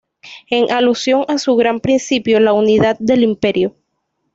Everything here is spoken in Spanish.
En alusión a su gran principio La unidad del Imperio.